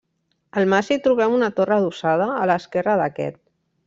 Al mas hi trobem una torre adossada a l'esquerra d'aquest.